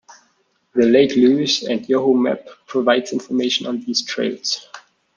The Lake Louise and Yoho Map provides information on these trails.